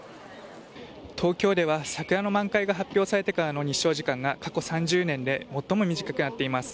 東京では桜の満開が発表されてからの日照時間が過去３０年で最も短くなっています。